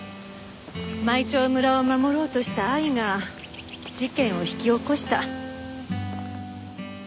舞澄村を守ろうとした愛が事件を引き起こした。